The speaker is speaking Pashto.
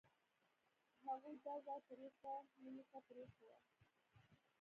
هغوی دا ځل پرېکړه مينې ته پرېښې وه